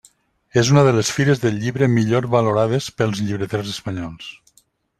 És una de les fires del llibre millor valorades pels llibreters espanyols.